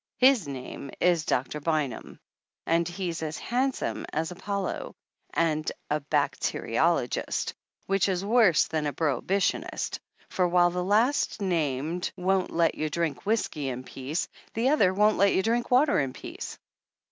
His name is Doctor Bynum and he's as hand some as Apollo and a bacteriologist, which is worse than a prohibitionist, for while the last named won't let you drink whisky in peace, the other won't let you drink water in peace.